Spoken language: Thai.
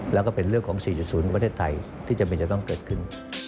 แล้วก็เป็นเรื่องของ๔๐ของประเทศไทยที่จำเป็นจะต้องเกิดขึ้น